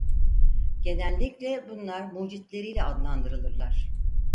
Genellikle bunlar mucitleriyle adlandırılırlar.